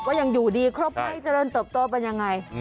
ว่ายังอยู่ดีครบให้เจริญเติบโตเป็นอย่างไร